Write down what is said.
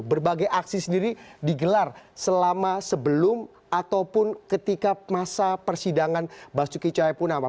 berbagai aksi sendiri digelar selama sebelum ataupun ketika masa persidangan basuki cahayapunama